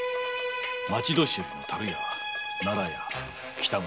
町年寄の樽屋奈良屋喜多村